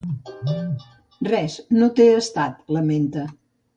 Res, no té estat, lamenta.